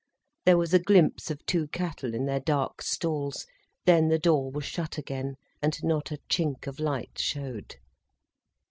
There was a glimpse of two cattle in their dark stalls, then the door was shut again, and not a chink of light showed.